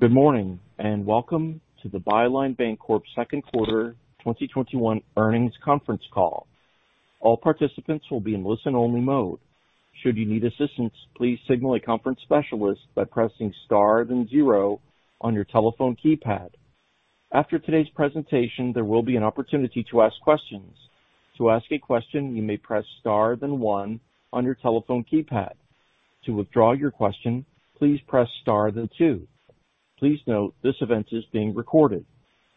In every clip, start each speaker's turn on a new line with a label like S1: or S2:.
S1: Good morning, and welcome to the Byline Bancorp Second Quarter 2021 Earnings Conference Call. All participants will be in listen-only mode. Should you need assistance, please signal a conference specialist by pressing star then zero on your telephone keypad. After today's presentation, there will be an opportunity to ask questions. To ask a question, you may press star then one on your telephone keypad. To withdraw your question, please press star then two. Please note this event is being recorded.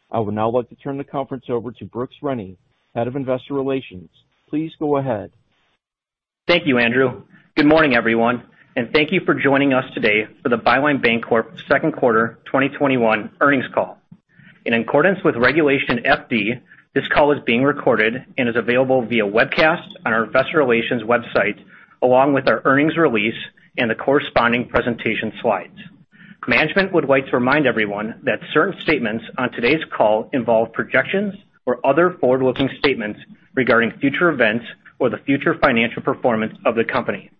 S1: I would now like to turn the conference over to Brooks Rennie, Head of Investor Relations. Please go ahead.
S2: Thank you, Andrew. Good morning, everyone, and thank you for joining us today for the Byline Bancorp second quarter 2021 earnings call. In accordance with Regulation FD, this call is being recorded and is available via webcast on our investor relations website, along with our earnings release and the corresponding presentation slides. Management would like to remind everyone that certain statements on today's call involve projections or other forward-looking statements regarding future events or the future financial performance of the company.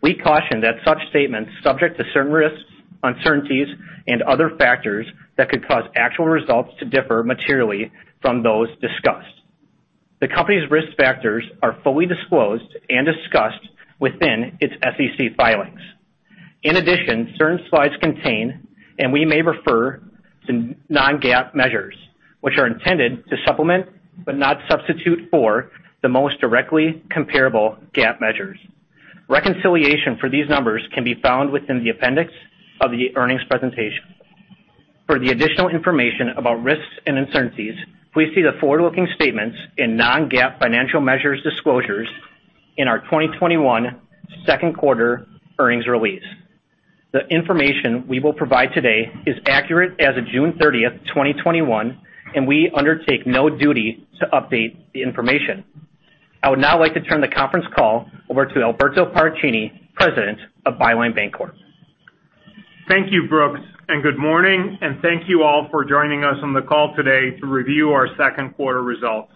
S2: We caution that such statements subject to certain risks, uncertainties, and other factors that could cause actual results to differ materially from those discussed. The company's risk factors are fully disclosed and discussed within its SEC filings. In addition, certain slides contain, and we may refer to non-GAAP measures, which are intended to supplement, but not substitute for, the most directly comparable GAAP measures. Reconciliation for these numbers can be found within the appendix of the earnings presentation. For the additional information about risks and uncertainties, please see the forward-looking statements in non-GAAP financial measures disclosures in our 2021 second quarter earnings release. The information we will provide today is accurate as of June 30th, 2021, and we undertake no duty to update the information. I would now like to turn the conference call over to Alberto Paracchini, President of Byline Bancorp.
S3: Thank you, Brooks, and good morning, and thank you all for joining us on the call today to review our second quarter results.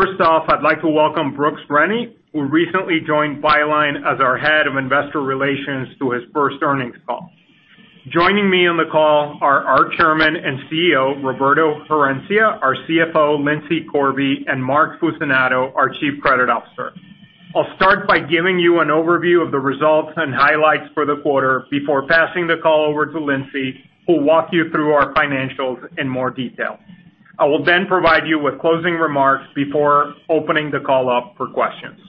S3: First off, I'd like to welcome Brooks Rennie, who recently joined Byline as our Head of Investor Relations to his first earnings call. Joining me on the call are our Chairman and CEO, Roberto Herencia, our CFO, Lindsay Corby, and Mark Fucinato, our Chief Credit Officer. I'll start by giving you an overview of the results and highlights for the quarter before passing the call over to Lindsay, who'll walk you through our financials in more detail. I will then provide you with closing remarks before opening the call up for questions.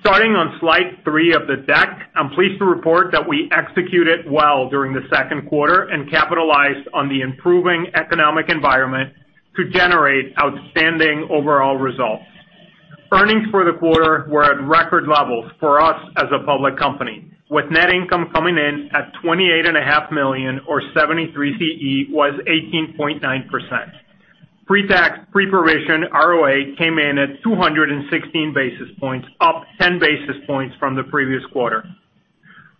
S3: Starting on slide three of the deck, I'm pleased to report that we executed well during the second quarter and capitalized on the improving economic environment to generate outstanding overall results. Earnings for the quarter were at record levels for us as a public company, with net income coming in at $28.5 million, or $0.73. ROTCE was 18.9%. Pre-tax, pre-provision ROA came in at 216 basis points, up 10 basis points from the previous quarter.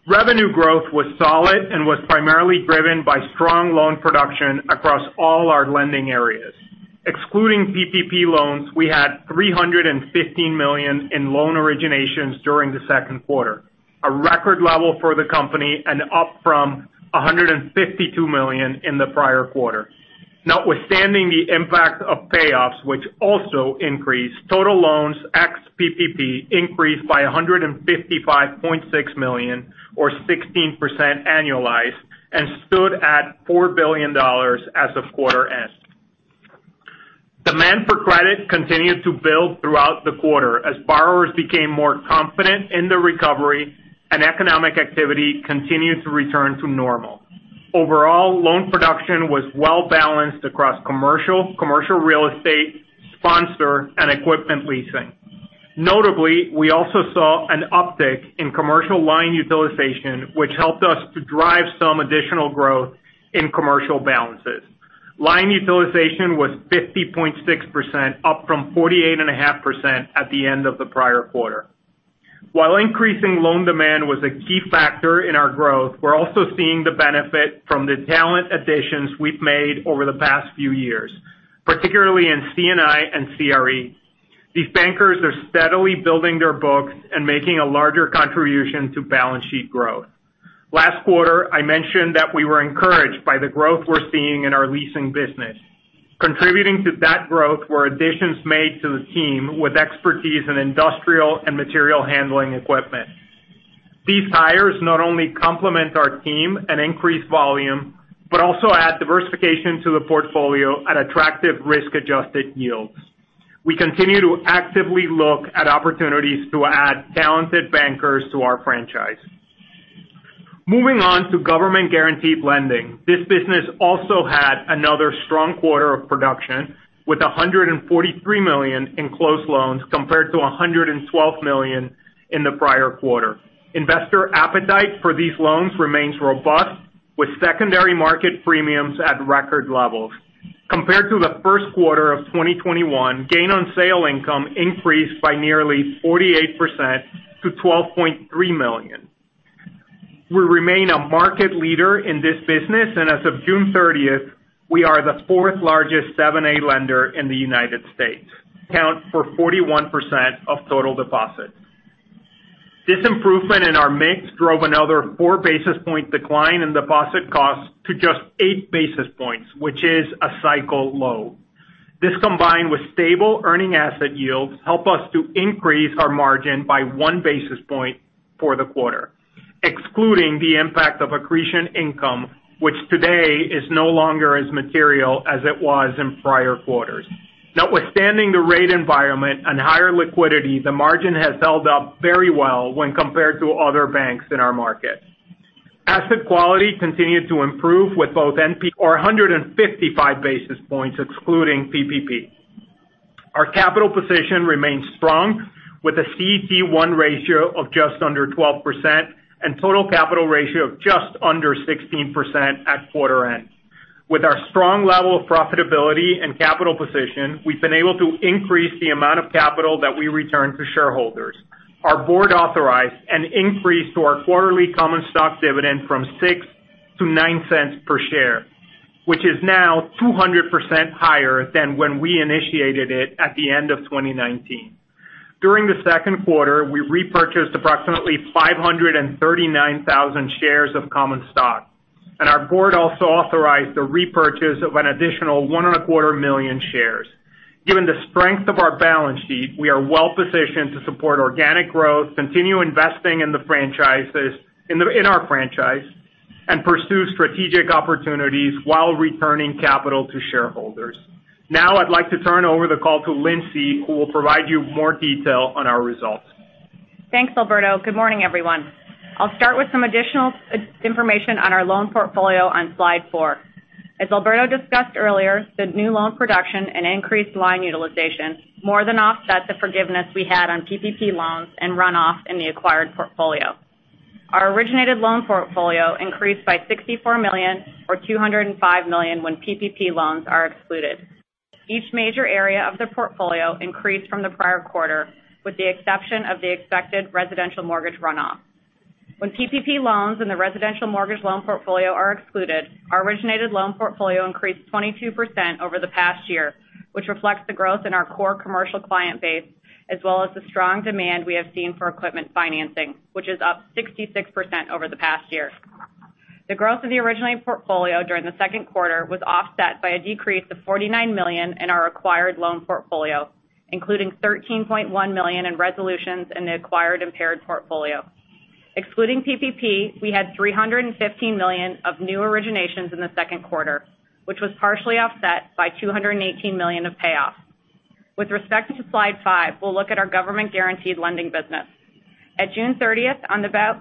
S3: Revenue growth was solid and was primarily driven by strong loan production across all our lending areas. Excluding PPP loans, we had $315 million in loan originations during the second quarter, a record level for the company and up from $152 million in the prior quarter. Notwithstanding the impact of payoffs, which also increased, total loans ex-PPP increased by $155.6 million or 16% annualized and stood at $4 billion as of quarter end. Demand for credit continued to build throughout the quarter as borrowers became more confident in the recovery and economic activity continued to return to normal. Overall, loan production was well-balanced across commercial real estate, sponsor, and equipment leasing. Notably, we also saw an uptick in commercial line utilization, which helped us to drive some additional growth in commercial balances. Line utilization was 50.6%, up from 48.5% at the end of the prior quarter. While increasing loan demand was a key factor in our growth, we're also seeing the benefit from the talent additions we've made over the past few years, particularly in C&I and CRE. These bankers are steadily building their books and making a larger contribution to balance sheet growth. Last quarter, I mentioned that we were encouraged by the growth we're seeing in our leasing business. Contributing to that growth were additions made to the team with expertise in industrial and material handling equipment. These hires not only complement our team and increase volume, but also add diversification to the portfolio at attractive risk-adjusted yields. We continue to actively look at opportunities to add talented bankers to our franchise. Moving on to government-guaranteed lending. This business also had another strong quarter of production with $143 million in closed loans compared to $112 million in the prior quarter. Investor appetite for these loans remains robust, with secondary market premiums at record levels. Compared to the first quarter of 2021, gain on sale income increased by nearly 48% to $12.3 million. We remain a market leader in this business, and as of June 30th, we are the fourth-largest 7(a) lender in the United States. Account for 41% of total deposits. This improvement in our mix drove another 4 basis point decline in deposit costs to just 8 basis points, which is a cycle low. This combined with stable earning asset yields help us to increase our margin by 1 basis point for the quarter. Excluding the impact of accretion income, which today is no longer as material as it was in prior quarters. Notwithstanding the rate environment and higher liquidity, the margin has held up very well when compared to other banks in our market. Asset quality continued to improve with both 155 basis points excluding PPP. Our capital position remains strong with a CET1 ratio of just under 12% and total capital ratio of just under 16% at quarter end. With our strong level of profitability and capital position, we've been able to increase the amount of capital that we return to shareholders. Our board authorized an increase to our quarterly common stock dividend from $0.06 to $0.09 per share, which is now 200% higher than when we initiated it at the end of 2019. During the second quarter, we repurchased approximately 539,000 shares of common stock, and our board also authorized the repurchase of an additional 1.25 million shares. Given the strength of our balance sheet, we are well-positioned to support organic growth, continue investing in our franchise, and pursue strategic opportunities while returning capital to shareholders. Now I'd like to turn over the call to Lindsay, who will provide you more detail on our results.
S4: Thanks, Alberto. Good morning, everyone. I'll start with some additional information on our loan portfolio on slide four. As Alberto discussed earlier, the new loan production and increased line utilization more than offset the forgiveness we had on PPP loans and runoff in the acquired portfolio. Our originated loan portfolio increased by $64 million or $205 million when PPP loans are excluded. Each major area of the portfolio increased from the prior quarter, with the exception of the expected residential mortgage runoff. When PPP loans and the residential mortgage loan portfolio are excluded, our originated loan portfolio increased 22% over the past year, which reflects the growth in our core commercial client base, as well as the strong demand we have seen for equipment financing, which is up 66% over the past year. The growth of the originating portfolio during the second quarter was offset by a decrease of $49 million in our acquired loan portfolio, including $13.1 million in resolutions in the acquired impaired portfolio. Excluding PPP, we had $315 million of new originations in the second quarter, which was partially offset by $218 million of payoff. With respect to slide five, we'll look at our government-guaranteed lending business. At June 30th,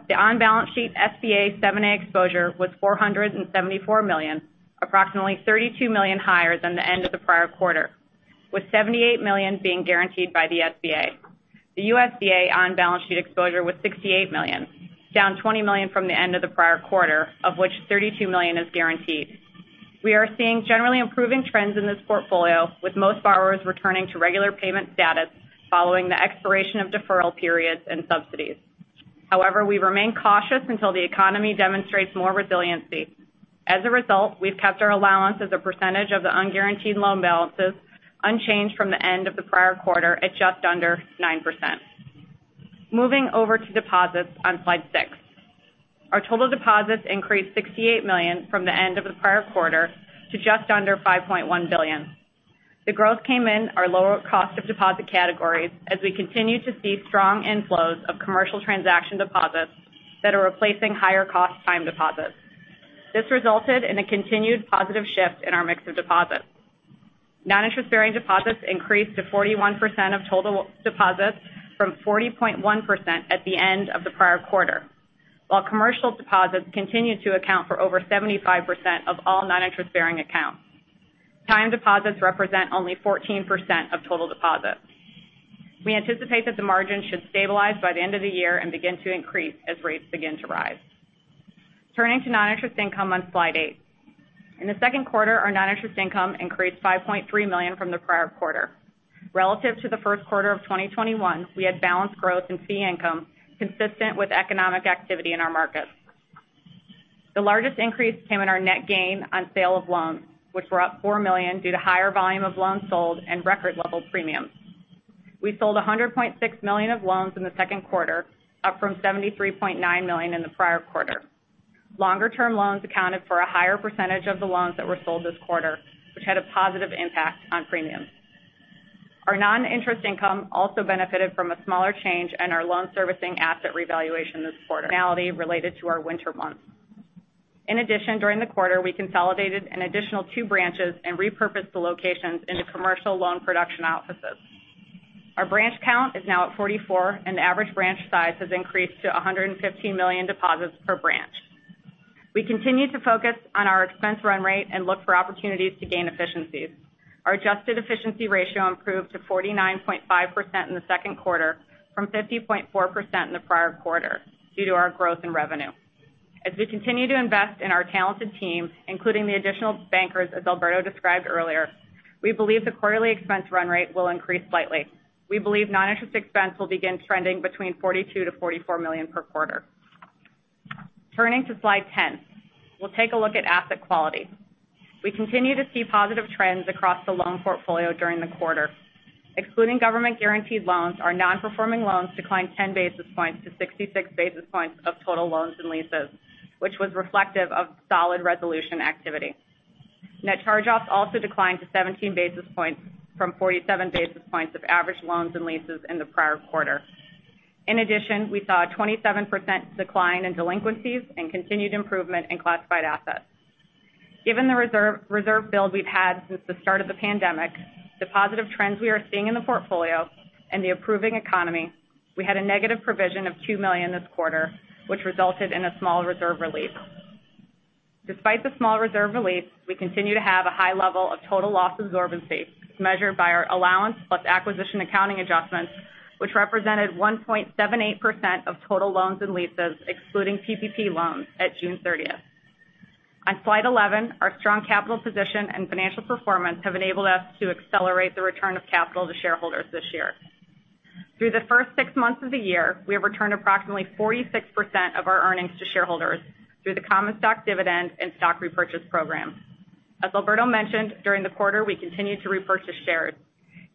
S4: the on-balance sheet SBA 7(a) exposure was $474 million, approximately $32 million higher than the end of the prior quarter, with $78 million being guaranteed by the SBA. The USDA on-balance sheet exposure was $68 million, down $20 million from the end of the prior quarter, of which $32 million is guaranteed. We are seeing generally improving trends in this portfolio, with most borrowers returning to regular payment status following the expiration of deferral periods and subsidies. However, we remain cautious until the economy demonstrates more resiliency. As a result, we've kept our allowance as a percentage of the unguaranteed loan balances unchanged from the end of the prior quarter at just under 9%. Moving over to deposits on slide six. Our total deposits increased $68 million from the end of the prior quarter to just under $5.1 billion. The growth came in our lower cost of deposit categories as we continue to see strong inflows of commercial transaction deposits that are replacing higher cost time deposits. This resulted in a continued positive shift in our mix of deposits. Non-interest bearing deposits increased to 41% of total deposits from 40.1% at the end of the prior quarter. While commercial deposits continued to account for over 75% of all non-interest bearing accounts. Time deposits represent only 14% of total deposits. We anticipate that the margin should stabilize by the end of the year and begin to increase as rates begin to rise. Turning to non-interest income on slide eight. In the second quarter, our non-interest income increased $5.3 million from the prior quarter. Relative to the first quarter of 2021, we had balanced growth in fee income consistent with economic activity in our markets. The largest increase came in our net gain on sale of loans, which were up $4 million due to higher volume of loans sold and record level premiums. We sold $100.6 million of loans in the second quarter, up from $73.9 million in the prior quarter. Longer term loans accounted for a higher percentage of the loans that were sold this quarter, which had a positive impact on premiums. Our non-interest income also benefited from a smaller change in our loan servicing asset revaluation this quarter. Seasonality related to our winter months. In addition, during the quarter, we consolidated an additional two branches and repurposed the locations into commercial loan production offices. Our branch count is now at 44, and the average branch size has increased to $115 million deposits per branch. We continue to focus on our expense run rate and look for opportunities to gain efficiencies. Our adjusted efficiency ratio improved to 49.5% in the second quarter from 50.4% in the prior quarter due to our growth in revenue. As we continue to invest in our talented team, including the additional bankers, as Alberto described earlier, we believe the quarterly expense run rate will increase slightly. We believe non-interest expense will begin trending between $42 million-$44 million per quarter. Turning to slide 10, we will take a look at asset quality. We continue to see positive trends across the loan portfolio during the quarter. Excluding government-guaranteed loans, our non-performing loans declined 10 basis points to 66 basis points of total loans and leases, which was reflective of solid resolution activity. Net charge-offs also declined to 17 basis points from 47 basis points of average loans and leases in the prior quarter. We saw a 27% decline in delinquencies and continued improvement in classified assets. Given the reserve build we've had since the start of the pandemic, the positive trends we are seeing in the portfolio and the improving economy, we had a negative provision of $2 million this quarter, which resulted in a small reserve release. Despite the small reserve release, we continue to have a high level of total loss absorbency measured by our allowance plus acquisition accounting adjustments, which represented 1.78% of total loans and leases excluding PPP loans at June 30th. On slide 11, our strong capital position and financial performance have enabled us to accelerate the return of capital to shareholders this year. Through the first six months of the year, we have returned approximately 46% of our earnings to shareholders through the common stock dividend and stock repurchase program. As Alberto mentioned, during the quarter, we continued to repurchase shares.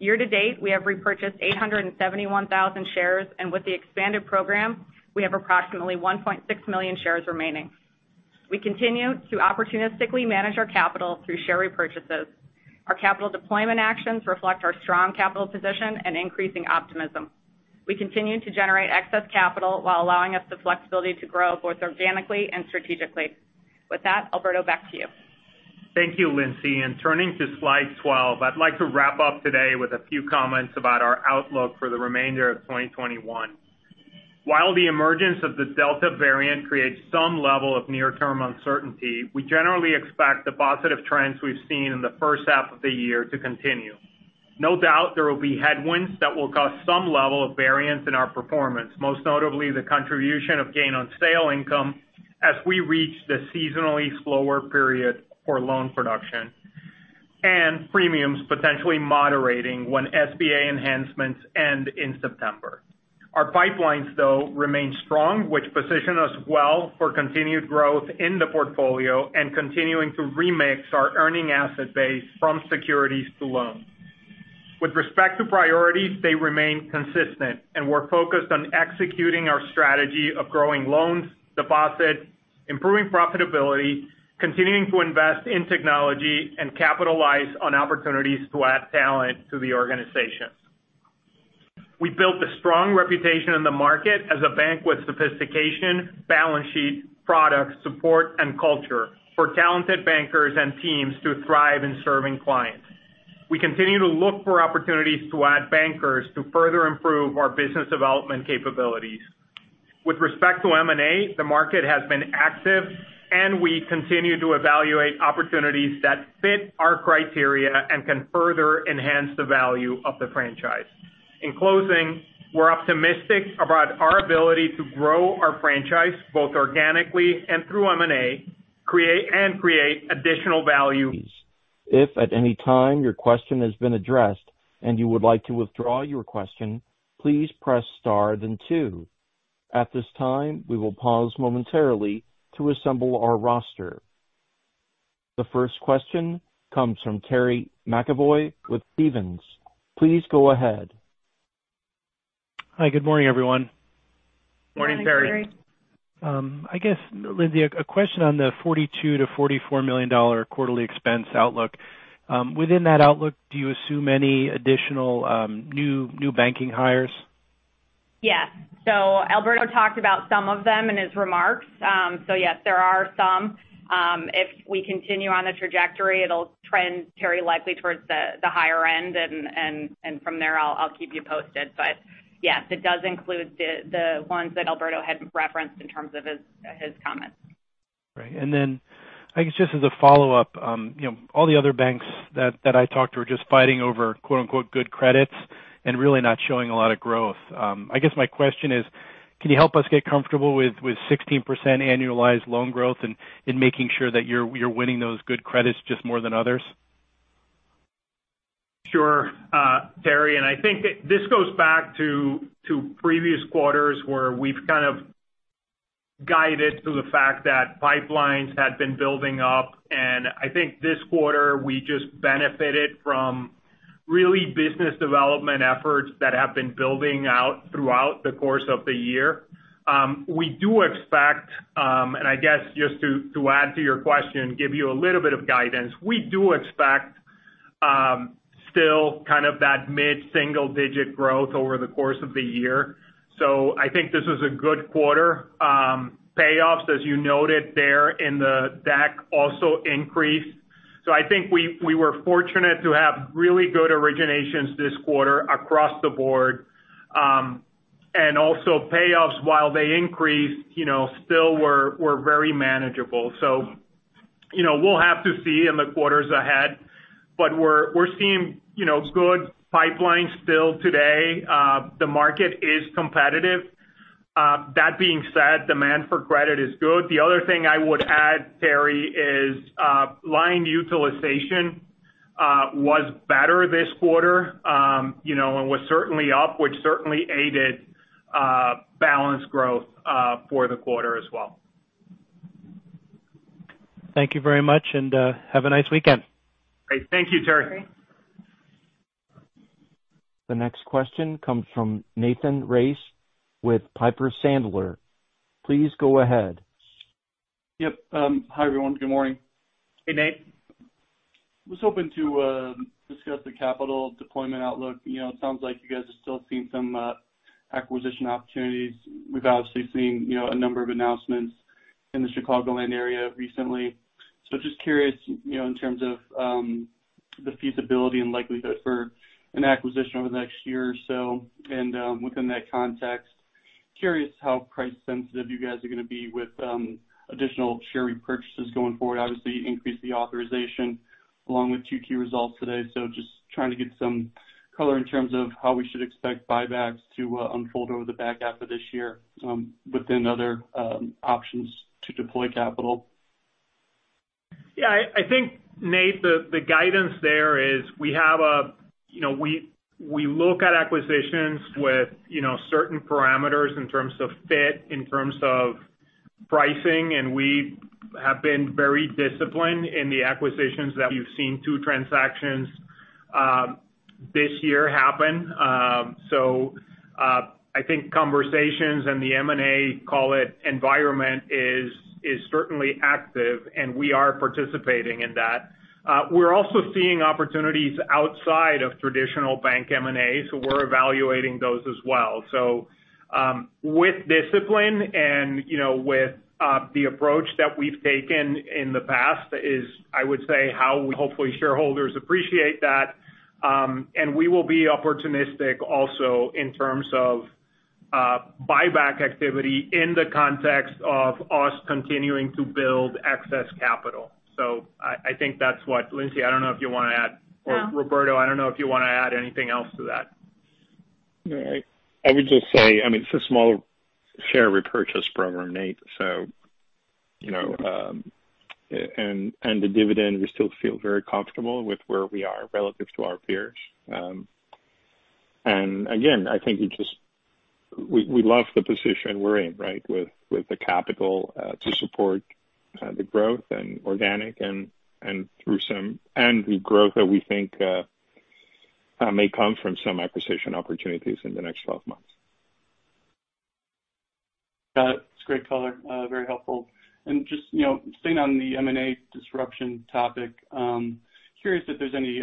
S4: Year to date, we have repurchased 871,000 shares, and with the expanded program, we have approximately 1.6 million shares remaining. We continue to opportunistically manage our capital through share repurchases. Our capital deployment actions reflect our strong capital position and increasing optimism. We continue to generate excess capital while allowing us the flexibility to grow both organically and strategically. With that, Alberto, back to you.
S3: Thank you, Lindsay. Turning to slide 12, I'd like to wrap up today with a few comments about our outlook for the remainder of 2021. While the emergence of the Delta variant creates some level of near-term uncertainty, we generally expect the positive trends we've seen in the first half of the year to continue. No doubt, there will be headwinds that will cause some level of variance in our performance, most notably the contribution of gain on sale income as we reach the seasonally slower period for loan production and premiums potentially moderating when SBA enhancements end in September. Our pipelines, though, remain strong, which position us well for continued growth in the portfolio and continuing to remix our earning asset base from securities to loans. With respect to priorities, they remain consistent, and we're focused on executing our strategy of growing loans, deposits, improving profitability, continuing to invest in technology and capitalize on opportunities to add talent to the organization. We built a strong reputation in the market as a bank with sophistication, balance sheet, product support, and culture for talented bankers and teams to thrive in serving clients. We continue to look for opportunities to add bankers to further improve our business development capabilities. With respect to M&A, the market has been active, and we continue to evaluate opportunities that fit our criteria and can further enhance the value of the franchise. In closing, we're optimistic about our ability to grow our franchise both organically and through M&A, and create additional value.
S1: If at anytime your question has been addressed and you would like to withdraw your question, please press star then two. At this time, we will pause momentarily to assemble our roster. The first question comes from Terry McEvoy with Stephens. Please go ahead.
S5: Hi. Good morning, everyone.
S3: Morning, Terry.
S4: Morning, Terry.
S5: I guess, Lindsay, a question on the $42 million-$44 million quarterly expense outlook. Within that outlook, do you assume any additional new banking hires?
S4: Yes. Alberto talked about some of them in his remarks. Yes, there are some. If we continue on the trajectory, it'll trend very likely towards the higher end. From there, I'll keep you posted. Yes, it does include the ones that Alberto had referenced in terms of his comments.
S5: Right. I guess just as a follow-up, all the other banks that I talked to are just fighting over quote, unquote, "good credits" and really not showing a lot of growth. I guess my question is: Can you help us get comfortable with 16% annualized loan growth and in making sure that you're winning those good credits just more than others?
S3: Sure, Terry, I think this goes back to previous quarters where we've kind of guided to the fact that pipelines had been building up. I think this quarter we just benefited from really business development efforts that have been building out throughout the course of the year. We do expect, I guess just to add to your question, give you a little bit of guidance. We do expect still kind of that mid-single-digit growth over the course of the year. I think this was a good quarter. Payoffs, as you noted there in the deck, also increased. I think we were fortunate to have really good originations this quarter across the board. Also payoffs, while they increased, still were very manageable. We'll have to see in the quarters ahead, but we're seeing good pipelines still today. The market is competitive. That being said, demand for credit is good. The other thing I would add, Terry, is line utilization was better this quarter and was certainly up, which certainly aided balance growth for the quarter as well.
S5: Thank you very much and have a nice weekend.
S3: Great. Thank you, Terry.
S1: The next question comes from Nathan Race with Piper Sandler. Please go ahead.
S6: Yep. Hi, everyone. Good morning.
S3: Hey, Nate.
S6: I was hoping to discuss the capital deployment outlook. It sounds like you guys are still seeing some acquisition opportunities. We've obviously seen a number of announcements in the Chicagoland area recently. Just curious in terms of the feasibility and likelihood for an acquisition over the next year or so. Within that context, curious how price sensitive you guys are going to be with additional share repurchases going forward. Obviously, you increased the authorization along with 2Q results today. Just trying to get some color in terms of how we should expect buybacks to unfold over the back half of this year within other options to deploy capital.
S3: Yeah. I think, Nate, the guidance there is we look at acquisitions with certain parameters in terms of fit, in terms of pricing, and we have been very disciplined in the acquisitions that you've seen two transactions this year happen. I think conversations and the M&A, call it environment, is certainly active, and we are participating in that. We're also seeing opportunities outside of traditional bank M&A, so we're evaluating those as well. With discipline and with the approach that we've taken in the past is, I would say, how hopefully shareholders appreciate that. We will be opportunistic also in terms of buyback activity in the context of us continuing to build excess capital. Lindsay, I don't know if you want to add.
S4: No.
S3: Roberto, I don't know if you want to add anything else to that.
S7: No. I would just say, it's a small share repurchase program, Nate. The dividend, we still feel very comfortable with where we are relative to our peers. Again, I think we love the position we're in, right? With the capital to support the growth and organic and the growth that we think may come from some acquisition opportunities in the next 12 months.
S6: Got it. It's great color. Very helpful. Just staying on the M&A disruption topic. Curious if there's any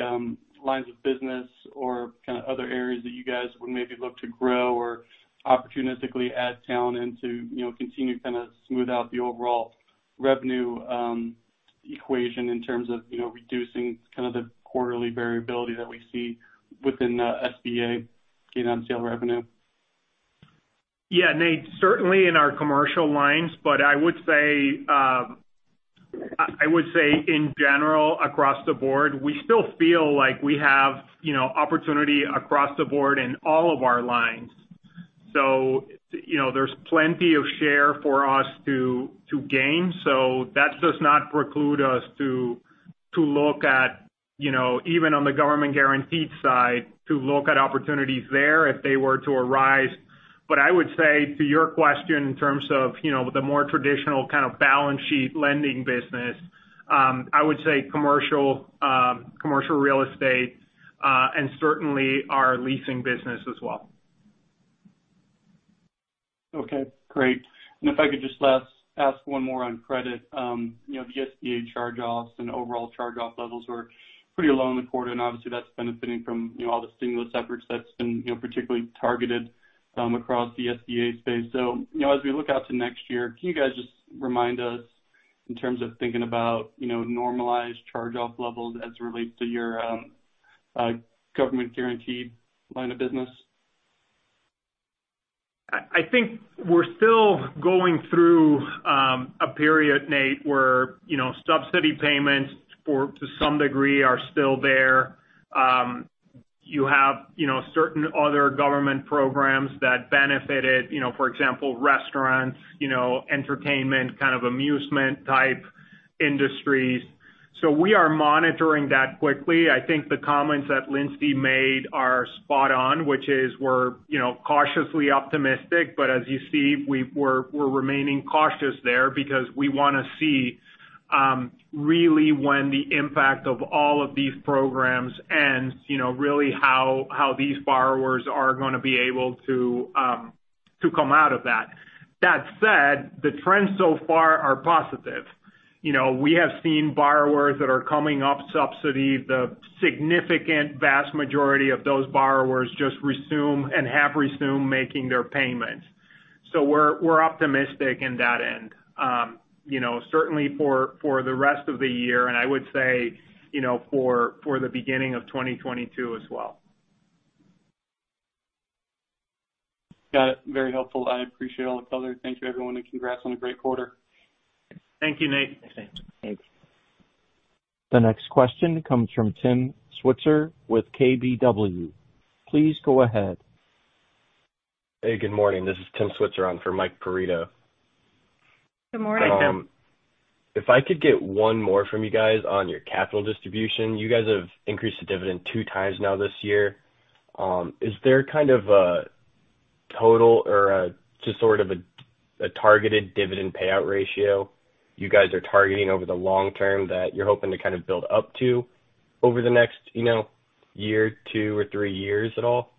S6: lines of business or kind of other areas that you guys would maybe look to grow or opportunistically add talent to continue to kind of smooth out the overall revenue equation in terms of reducing kind of the quarterly variability that we see within SBA gain on sale revenue.
S3: Yeah, Nate, certainly in our commercial lines, but I would say in general, across the board, we still feel like we have opportunity across the board in all of our lines. There's plenty of share for us to gain. That does not preclude us to look at even on the government guaranteed side, to look at opportunities there if they were to arise. I would say to your question in terms of the more traditional kind of balance sheet lending business, I would say commercial real estate, and certainly our leasing business as well.
S6: Okay. Great. If I could just ask one more on credit. The SBA charge-offs and overall charge-off levels were pretty low in the quarter, and obviously that's benefiting from all the stimulus efforts that's been particularly targeted across the SBA space. As we look out to next year, can you guys just remind us in terms of thinking about normalized charge-off levels as it relates to your government guaranteed line of business?
S3: I think we're still going through a period, Nate, where subsidy payments to some degree are still there. You have certain other government programs that benefited, for example, restaurants, entertainment, kind of amusement-type industries. We are monitoring that quickly. I think the comments that Lindsay made are spot on, which is we're cautiously optimistic. As you see, we're remaining cautious there because we want to see really when the impact of all of these programs ends, really how these borrowers are going to be able to come out of that. That said, the trends so far are positive. We have seen borrowers that are coming off subsidy. The significant vast majority of those borrowers just resume and have resumed making their payments. We're optimistic in that end, certainly for the rest of the year, and I would say for the beginning of 2022 as well.
S6: Got it. Very helpful. I appreciate all the color. Thank you, everyone, and congrats on a great quarter.
S3: Thank you, Nate.
S7: Thanks, Nate.
S6: Thanks.
S1: The next question comes from Tim Switzer with KBW. Please go ahead.
S8: Hey, good morning. This is Tim Switzer on for Mike Perito.
S4: Good morning, Tim.
S8: If I could get one more from you guys on your capital distribution. You guys have increased the dividend two times now this year. Is there a total or just sort of a targeted dividend payout ratio you guys are targeting over the long term that you're hoping to build up to over the next year, two or three years at all?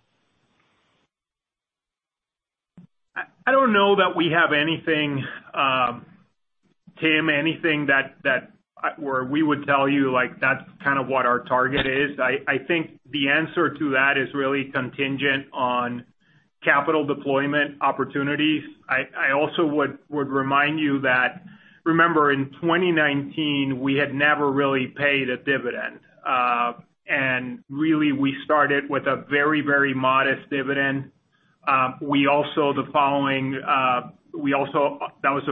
S3: I don't know that we have anything, Tim, where we would tell you that's kind of what our target is. I think the answer to that is really contingent on capital deployment opportunities. I also would remind you that, remember in 2019, we had never really paid a dividend. Really, we started with a very modest dividend. That was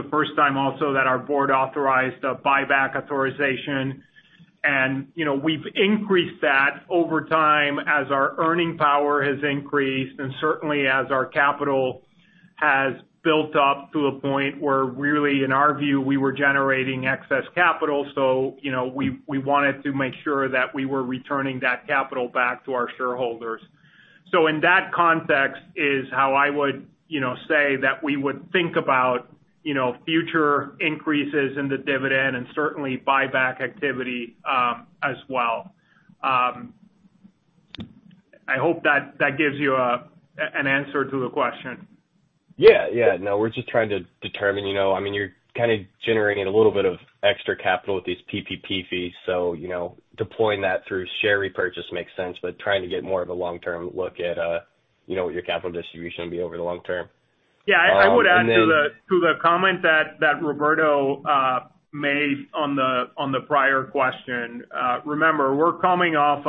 S3: the first time also that our board authorized a buyback authorization. We've increased that over time as our earning power has increased, and certainly as our capital has built up to a point where really, in our view, we were generating excess capital. We wanted to make sure that we were returning that capital back to our shareholders. In that context is how I would say that we would think about future increases in the dividend and certainly buyback activity as well. I hope that gives you an answer to the question.
S8: No, we're just trying to determine. You're kind of generating a little bit of extra capital with these PPP fees, so deploying that through share repurchase makes sense. Trying to get more of a long-term look at what your capital distribution will be over the long term.
S3: Yeah. I would add to the comment that Roberto made on the prior question. Remember, we're coming off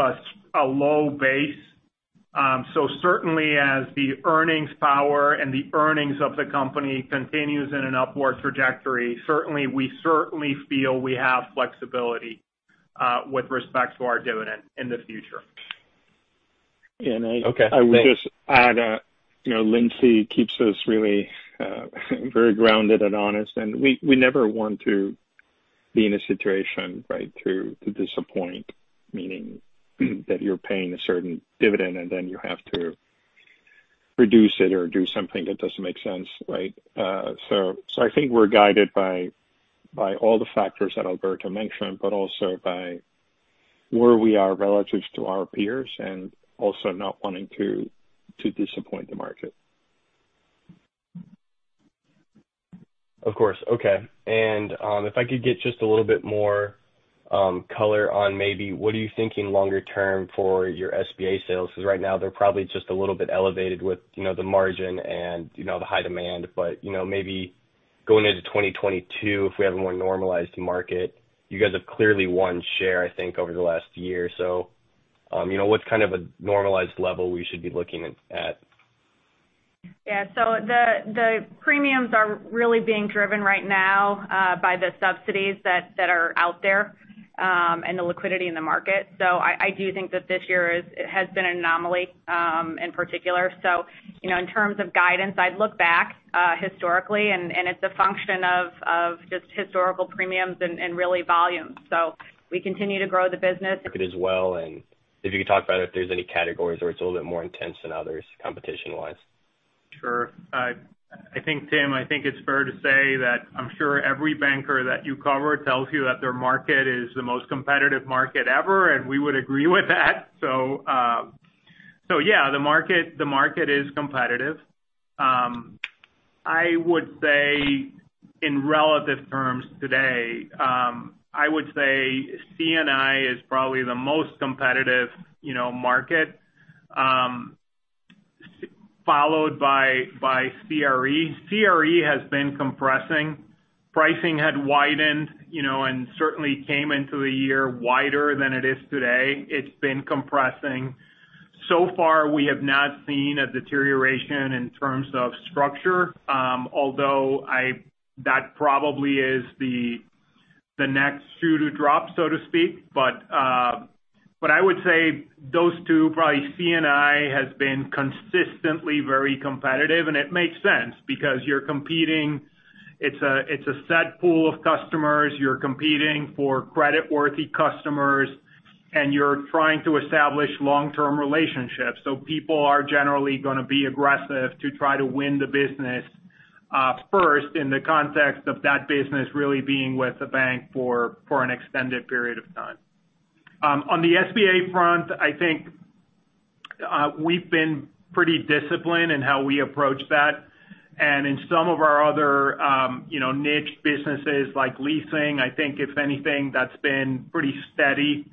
S3: a low base. Certainly as the earnings power and the earnings of the company continues in an upward trajectory, certainly we feel we have flexibility with respect to our dividend in the future.
S8: Okay. Thanks.
S7: I would just add, Lindsay keeps us really very grounded and honest, and we never want to be in a situation to disappoint, meaning that you're paying a certain dividend and then you have to reduce it or do something that doesn't make sense. I think we're guided by all the factors that Alberto mentioned, but also by where we are relative to our peers and also not wanting to disappoint the market.
S8: Of course. Okay. If I could get just a little bit more color on maybe what are you thinking longer term for your SBA sales? Right now they're probably just a little bit elevated with the margin and the high demand. Maybe going into 2022, if we have a more normalized market, you guys have clearly won share I think over the last year. What's kind of a normalized level we should be looking at?
S4: Yeah. The premiums are really being driven right now by the subsidies that are out there and the liquidity in the market. I do think that this year, it has been an anomaly in particular. In terms of guidance, I'd look back historically and it's a function of just historical premiums and really volume. We continue to grow the business.
S8: As well, if you could talk about if there's any categories where it's a little bit more intense than others competition-wise?
S3: Sure. Tim, I think it's fair to say that I'm sure every banker that you cover tells you that their market is the most competitive market ever, and we would agree with that. Yeah, the market is competitive. I would say in relative terms today C&I is probably the most competitive market followed by CRE. CRE has been compressing. Pricing had widened and certainly came into the year wider than it is today. It's been compressing. So far, we have not seen a deterioration in terms of structure. Although that probably is the next shoe to drop, so to speak. I would say those two, probably C&I has been consistently very competitive. It makes sense because it's a set pool of customers. You're competing for creditworthy customers, and you're trying to establish long-term relationships. People are generally going to be aggressive to try to win the business first in the context of that business really being with the bank for an extended period of time. On the SBA front, I think we've been pretty disciplined in how we approach that. In some of our other niche businesses like leasing, I think if anything, that's been pretty steady.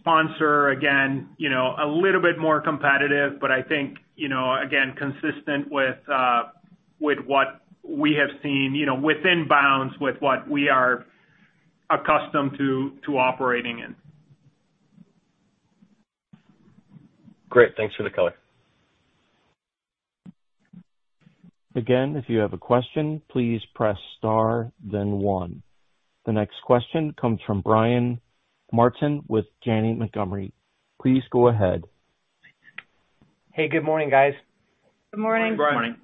S3: Sponsor, again, a little bit more competitive. I think again, consistent with what we have seen within bounds with what we are accustomed to operating in.
S8: Great. Thanks for the color.
S1: Again, if you have a question, please press star then one. The next question comes from Brian Martin with Janney Montgomery. Please go ahead.
S9: Hey, good morning, guys.
S4: Good morning.
S3: Good morning.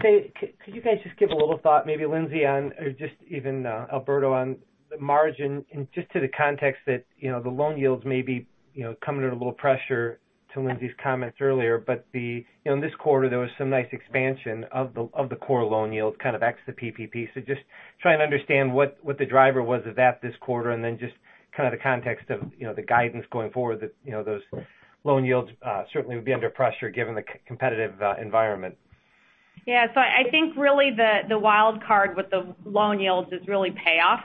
S9: Could you guys just give a little thought, maybe Lindsay or just even Alberto, on the margin and just to the context that the loan yields may be coming under a little pressure to Lindsay's comments earlier. In this quarter, there was some nice expansion of the core loan yields, kind of ex the PPP. Just trying to understand what the driver was of that this quarter and then just the context of the guidance going forward, that those loan yields certainly would be under pressure given the competitive environment.
S4: Yeah. I think really the wild card with the loan yields is really payoff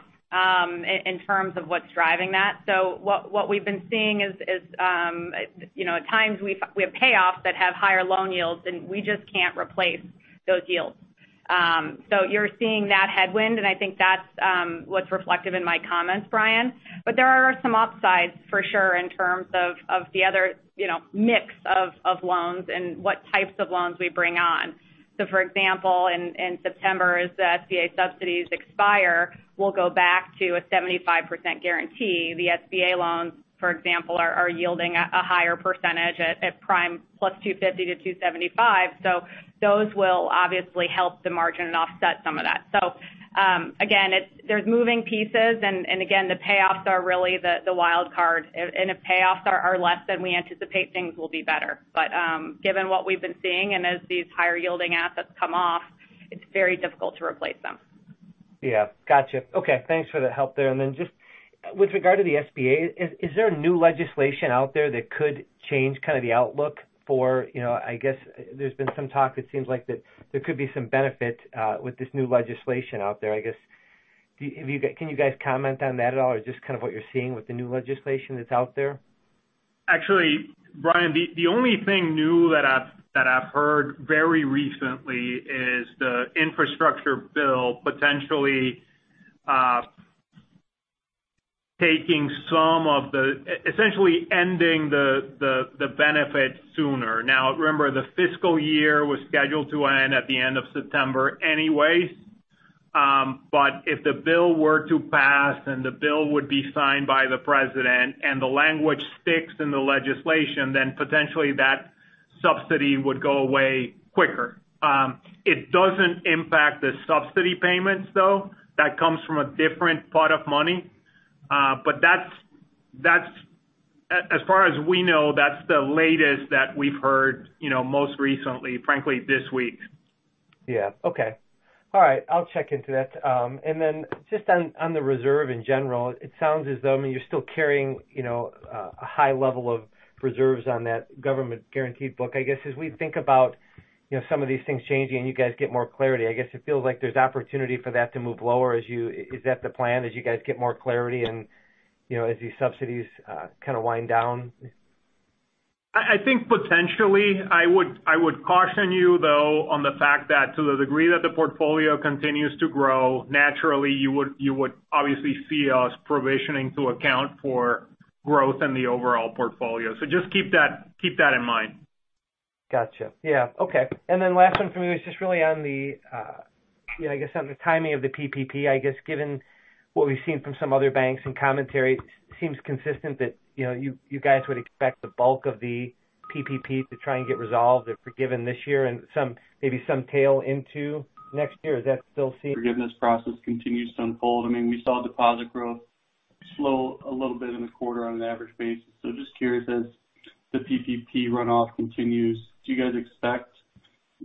S4: in terms of what's driving that. What we've been seeing is at times we have payoffs that have higher loan yields, and we just can't replace those yields. You're seeing that headwind, and I think that's what's reflective in my comments, Brian. There are some upsides for sure in terms of the other mix of loans and what types of loans we bring on. For example, in September, as the SBA subsidies expire, we'll go back to a 75% guarantee. The SBA loans, for example, are yielding a higher percentage at Prime + 250 to 275. Those will obviously help the margin and offset some of that. Again, there's moving pieces and again, the payoffs are really the wild card. If payoffs are less than we anticipate, things will be better. Given what we've been seeing and as these higher yielding assets come off, it's very difficult to replace them.
S9: Yeah. Got you. Okay, thanks for the help there. Then just with regard to the SBA, is there new legislation out there that could change kind of the outlook. I guess there's been some talk it seems like that there could be some benefit with this new legislation out there, I guess. Can you guys comment on that at all or just kind of what you're seeing with the new legislation that's out there?
S3: Brian, the only thing new that I've heard very recently is the infrastructure bill potentially essentially ending the benefit sooner. Remember, the fiscal year was scheduled to end at the end of September anyways. If the bill were to pass and the bill would be signed by the president and the language sticks in the legislation, then potentially that subsidy would go away quicker. It doesn't impact the subsidy payments, though. That comes from a different pot of money. As far as we know, that's the latest that we've heard most recently, frankly, this week.
S9: Yeah. Okay. All right. I'll check into that. Just on the reserve in general, it sounds as though you're still carrying a high level of reserves on that government guaranteed book. I guess as we think about some of these things changing and you guys get more clarity, I guess it feels like there's opportunity for that to move lower. Is that the plan as you guys get more clarity and as these subsidies kind of wind down?
S3: I think potentially. I would caution you though on the fact that to the degree that the portfolio continues to grow, naturally you would obviously see us provisioning to account for growth in the overall portfolio. Just keep that in mind.
S9: Got you. Yeah. Okay. Last one from me was just really on the timing of the PPP. I guess given what we've seen from some other banks and commentary seems consistent that you guys would expect the bulk of the PPP to try and get resolved if we're given this year and maybe some tail into next year. Is that still seen?
S6: Forgiveness process continues to unfold. We saw deposit growth slow a little bit in the quarter on an average basis. Just curious, as the PPP runoff continues, do you guys expect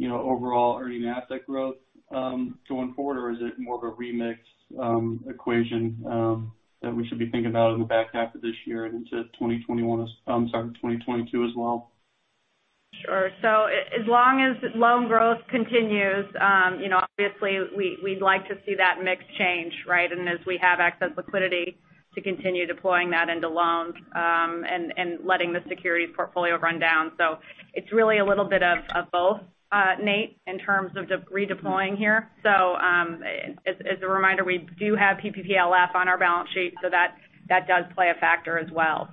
S6: overall earning asset growth going forward or is it more of a remix equation that we should be thinking about in the back half of this year and into 2021, I'm sorry, 2022 as well?
S4: Sure. As long as loan growth continues, obviously we'd like to see that mix change, right? As we have excess liquidity to continue deploying that into loans and letting the security portfolio run down. It's really a little bit of both, Nate, in terms of redeploying here. As a reminder, we do have PPPLF on our balance sheet so that does play a factor as well.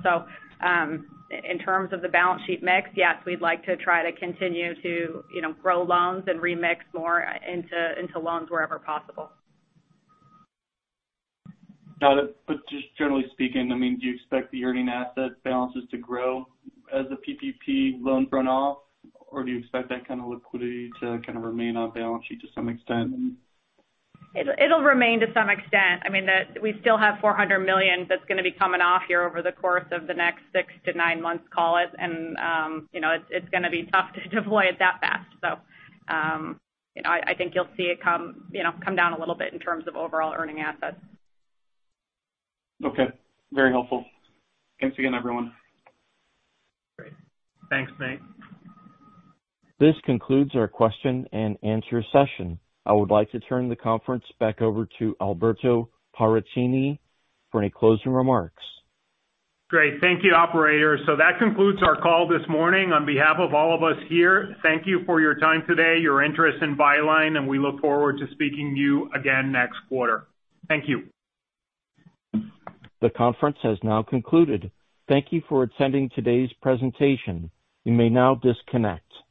S4: In terms of the balance sheet mix, yes, we'd like to try to continue to grow loans and remix more into loans wherever possible.
S6: Got it. Just generally speaking, do you expect the earning asset balances to grow as the PPP loans run off or do you expect that kind of liquidity to kind of remain on balance sheet to some extent?
S4: It'll remain to some extent. We still have $400 million that's going to be coming off here over the course of the next six to nine months call it's going to be tough to deploy it that fast. I think you'll see it come down a little bit in terms of overall earning assets.
S6: Okay. Very helpful. Thanks again, everyone.
S3: Great. Thanks, Nate.
S1: This concludes our question and answer session. I would like to turn the conference back over to Alberto Paracchini for any closing remarks.
S3: Great. Thank you, operator. That concludes our call this morning. On behalf of all of us here, thank you for your time today, your interest in Byline, and we look forward to speaking to you again next quarter. Thank you.
S1: The conference has now concluded. Thank you for attending today's presentation. You may now disconnect.